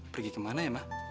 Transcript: pergi kemana ya mbak